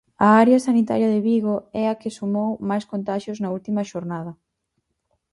A área sanitaria de Vigo é a que sumou máis contaxios na última xornada.